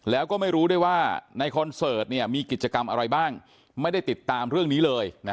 แล้วก็ไม่รู้ด้วยว่าในคอนเสิร์ตมีกิจกรรมอะไรบ้างไม่ได้ติดตามเรื่องนี้เลย